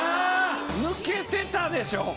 抜けてたでしょ！